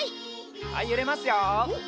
はいゆれますよ。